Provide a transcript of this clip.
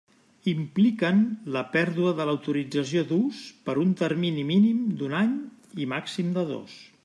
Impliquen la pèrdua de l'autorització d'ús per un termini mínim d'un any i màxim de dos.